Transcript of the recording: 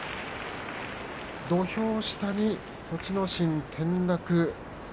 土俵下に栃ノ心が転落。